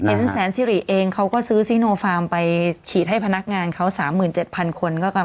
เอ็นแซนซีรีย์เองเขาก็ซื้อซิโนฟาร์มไปฉีดให้พนักงานเขา๓๗๐๐๐คนก็กำลังจะเลิกอาทิตย์แน่